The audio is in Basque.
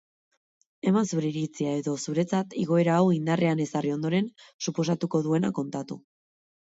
Eman zure iritzia edo zuretzan igoera hau indarrean ezarri ondoren suposatuko duena kontatu.